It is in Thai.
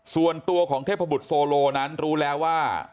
ส่วนตัวของเทพบุตรโซโลนั้นรู้แล้วว่า